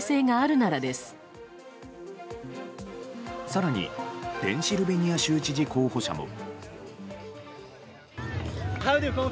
更にペンシルベニア州知事候補者も。